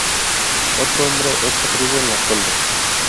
Otro hombre echa trigo en la tolva.